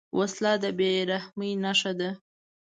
وسله د بېرحمۍ نښه ده